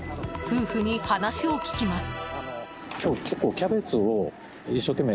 夫婦に話を聞きます。